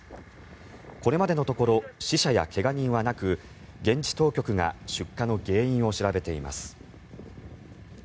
これまでのところ死者や怪我人はなく現地当局が出火の原因を調べています。